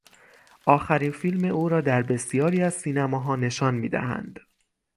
آخرین فیلم او را در بسیاری از سینماها نشان میدهند.